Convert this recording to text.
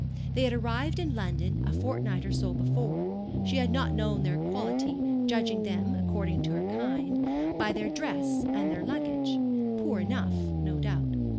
They had arrived in London a fortnight or so before: she had not known their quality, judging them (according to her kind) by their dress and their luggage; poor enough, no doubt.